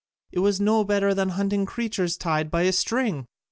It was no better than hunting creatures tied by a string.